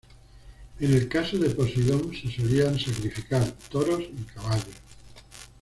En el caso de Poseidón se solían sacrificar toros y caballos.